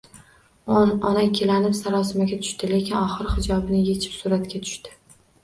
Ona ikkilanib, sarosimaga tushdi, lekin oxiri hijobini yechib suratga tushdi